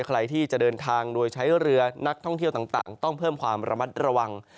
ใครที่จะเดินทางโดยใช้เรือนักท่องเที่ยวต่างต้องเพิ่มความระมัดระวัง